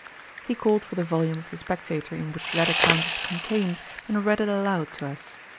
He called for the volume of The Spectator, in which that account is contained, and read it aloud to us.